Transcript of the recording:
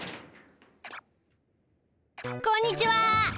こんにちは。